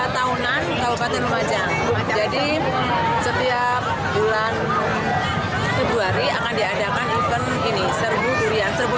tahunan kabupaten lumajang jadi setiap bulan februari akan diadakan event ini serbu durian serbu